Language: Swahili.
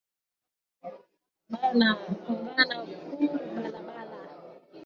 Bana kongana ku balabala